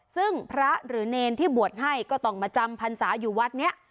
ซึ่งพระหรือเนรที่บวชให้ก็ต้องมาจำพรรษาอยู่วัดนี้